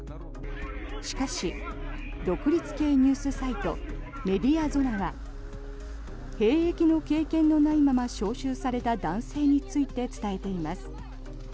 しかし、独立系ニュースサイトメディアゾナは兵役の経験のないまま招集された男性について伝えています。